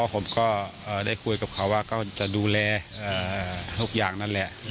ผมก็ได้คุยกับเขาว่าก็จะดูแลทุกอย่างนั่นแหละ